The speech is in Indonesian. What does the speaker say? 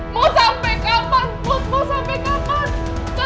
mau sampai kapan put mau sampai kapan